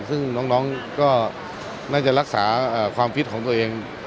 ซึ่งน้องก็น่าจะรักษาความคิดของตัวเอง